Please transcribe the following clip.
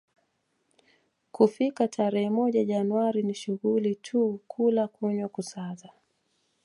kufika tarehe moja Januari ni shughuli tu kula kunywa kusaza